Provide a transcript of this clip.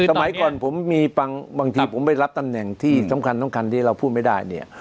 สมัยก่อนผมมีบางทีผมไปรับตำแหน่งที่สำคัญที่เราพูดไม่ได้เนี่ย